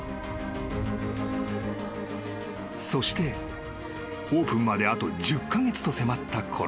［そしてオープンまであと１０カ月と迫ったころ］